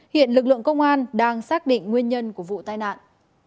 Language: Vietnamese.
hiện lực lượng công an đang xác định nguyên nhân của vụ tai nạn